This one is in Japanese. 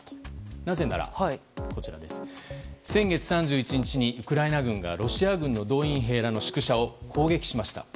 なぜなら、先月３１日にウクライナ軍がロシア軍の動員兵の宿舎を攻撃しました。